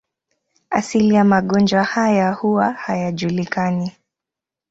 Asili ya magonjwa haya huwa hayajulikani.